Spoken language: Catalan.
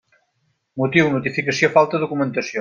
Motiu: notificació falta documentació.